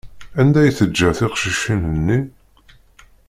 Anda i teǧǧa tiqcicin-nni?